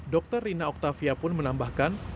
dokter rina oktavia pun menambahkan